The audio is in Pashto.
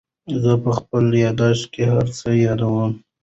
زه په خپل یادښت کې هر څه یادوم.